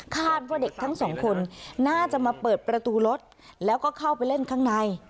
ว่าเด็กทั้งสองคนน่าจะมาเปิดประตูรถแล้วก็เข้าไปเล่นข้างใน